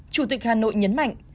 chủ tịch hà nội nhấn mạnh